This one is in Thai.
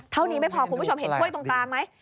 เท่านี้ไม่พอคุณผู้ชมเห็นถ้วยตรงกลางไหม